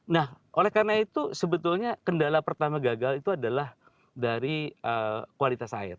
nah oleh karena itu sebetulnya kendala pertama gagal itu adalah dari kualitas air